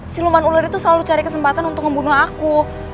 si luman ular itu selalu cari kesempatan untuk ngebunuh aku